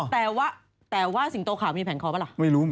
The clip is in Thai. แต่ว่าแสดงว่าสิงโตขาวมีแผงคอป่าวหรือ